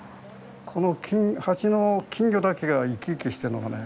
この鉢の金魚だけが生き生きしてるのがね